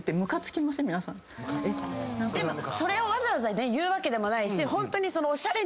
でもそれをわざわざ言うわけでもないしホントに。